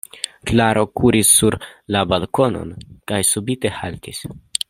Klaro kuris sur la balkonon kaj subite haltis.